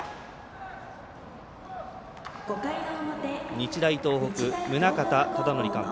日大東北、宗像忠典監督。